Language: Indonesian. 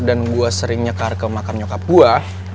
dan gue sering nyekar ke makam nyokap gue